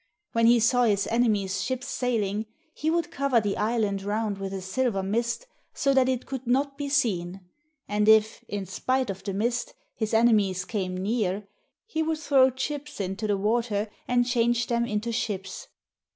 When he saw his enemies' ships sailing, he would cover the island round with a silver mist so that it could not be seen; and if, in spite of the mist, his enemies came near, he would throw chips into the water and change them into ships.